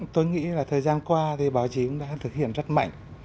tôi nghĩ là thời gian qua thì báo chí cũng đã thực hiện rất mạnh